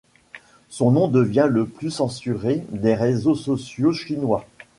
Son nom devient le plus censuré des réseaux sociaux chinois.